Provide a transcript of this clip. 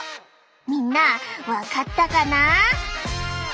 みんな分かったかな？